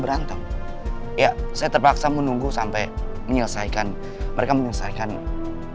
berantem ya saya terpaksa menunggu sampai menyelesaikan mereka menyelesaikan ini